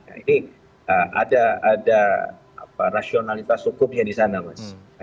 nah ini ada rasionalitas hukumnya di sana mas